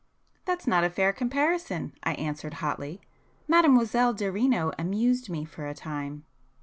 "That's not a fair comparison"—I answered hotly—"Mademoiselle Derino amused me for a time."